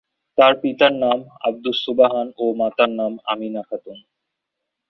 তার পিতার নাম আবদুস সোবহান ও মাতার নাম আমিনা খাতুন।